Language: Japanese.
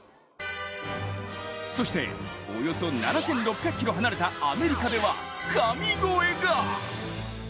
そしておよそ７６００ｋｍ離れたアメリカでは、神超えが！